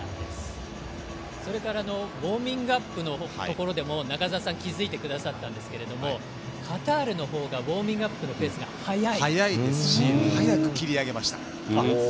それからウォーミングアップのところでも中澤さん気付いてくださったんですけどカタールの方がウォーミングアップの早いですし早く切り上げました。